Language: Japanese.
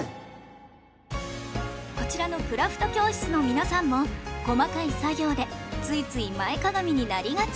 こちらのクラフト教室の皆さんも細かい作業でついつい前かがみになりがち